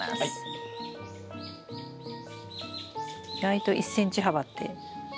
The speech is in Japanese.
意外と１ｃｍ幅って狭いです。